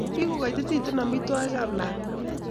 Kikoitititun omitwogikab lakwe